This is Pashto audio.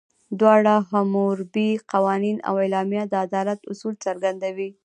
دواړه، حموربي قوانین او اعلامیه، د عدالت اصول څرګندوي.